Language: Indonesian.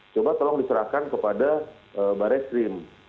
coba tolong diserahkan kepada barreskrim